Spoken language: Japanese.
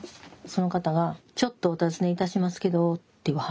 その方が「ちょっとお尋ねいたしますけど」って言わはんのね。